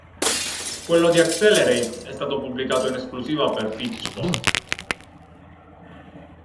Quello di "Accelerate" è stato pubblicato in esclusiva per Pitchfork.